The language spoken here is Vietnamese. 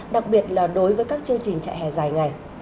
đặc biệt là đối với các chương trình trại hè dài ngày